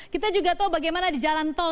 kita juga tahu bagaimana di jalan tol